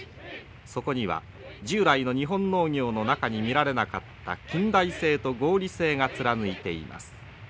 そこには従来の日本農業の中に見られなかった近代性と合理性が貫いています。